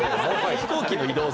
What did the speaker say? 飛行機の移動数。